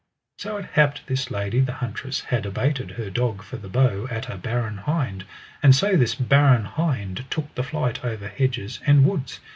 So it happed this lady the huntress had abated her dog for the bow at a barren hind, and so this barren hind took the flight over hedges and woods.